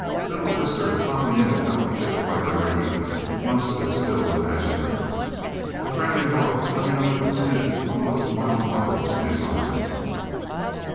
Little Lester hopping in to help fit wire rigging, most of it still imaginary. A friendly dog coming over to sniff, with a look of mild wonder in his eyes.